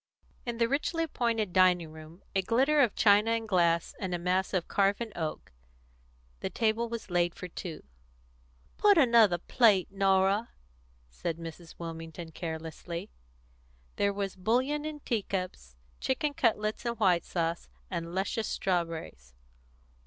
In the richly appointed dining room a glitter of china and glass and a mass of carven oak the table was laid for two. "Put another plate, Norah," said Mrs. Wilmington carelessly. There was bouillon in teacups, chicken cutlets in white sauce, and luscious strawberries.